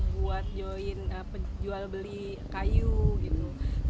buat join jual beli kayu gitu